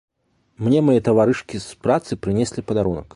Мне мае таварышкі з працы прынеслі падарунак.